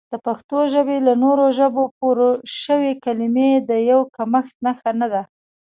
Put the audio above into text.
د پښتو ژبې له نورو ژبو پورشوي کلمې د یو کمښت نښه نه ده